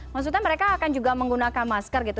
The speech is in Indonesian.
maksudnya mereka akan juga menggunakan masker gitu